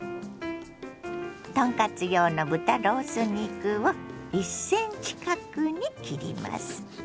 豚カツ用の豚ロース肉を１ｃｍ角に切ります。